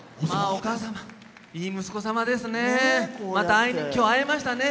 お母様、いい息子様ですね。